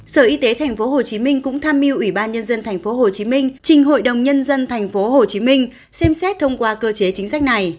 sở y tế tp hcm cũng tham mưu ủy ban nhân dân tp hcm trình hội đồng nhân dân tp hcm xem xét thông qua cơ chế chính sách này